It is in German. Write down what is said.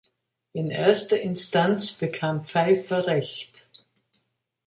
In erster Instanz bekam Pfeifer recht.